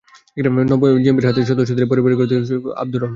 নব্য জেএমবির নিহত সদস্যদের পরিবারকে আর্থিক সহায়তার কাজও করতেন আবদুর রহমান।